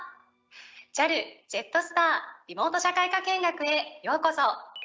ＪＡＬ、ジェットスターリモート社会科見学へようこそ。